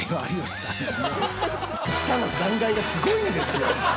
下の残骸がすごいんですよ。